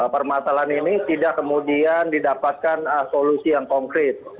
permasalahan ini tidak kemudian didapatkan solusi yang konkret